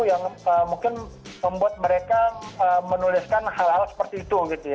yang mungkin membuat mereka menuliskan hal hal seperti itu